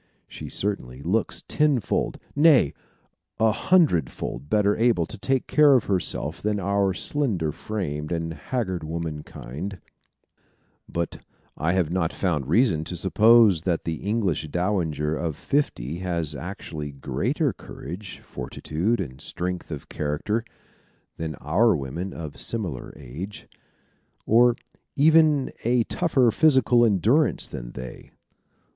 She certainly looks tenfold nay, a hundredfold better able to take care of herself than our slender framed and haggard womankind; but I have not found reason to suppose that the English dowager of fifty has actually greater courage, fortitude, and strength of character than our women of similar age, or even a tougher physical endurance than they.